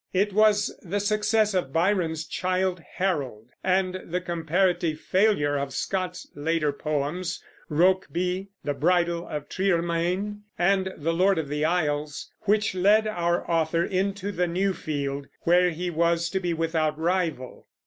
It was the success of Byron's Childe Harold, and the comparative failure of Scott's later poems, Rokeby, The Bridal of Triermain, and The Lord of the Isles, which led our author into the new field, where he was to be without a rival.